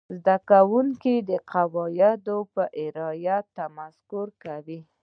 زده کوونکي د قواعدو په رعایت تمرکز کاوه.